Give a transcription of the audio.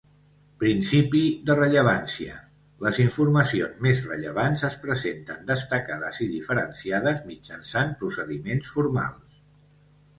Principi de rellevància: les informacions més rellevants es presenten destacades i diferenciades mitjançant procediments formals.